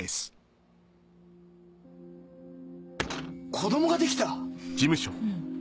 子供ができた？